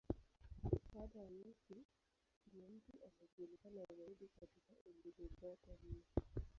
Baada ya Yesu, ndiye mtu anayejulikana zaidi katika Injili zote nne.